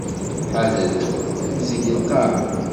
Ḥadret! Tebzeg lqaεa.